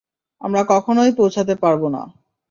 আমরা কখনোই পৌঁছাতে পারব না।